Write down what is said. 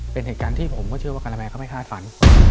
เป็นเหตุการณ์ที่ผมก็เชื่อว่าการาแมเขาไม่คาดฝัน